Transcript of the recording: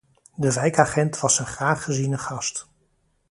De wijkagent was een graag geziene gast.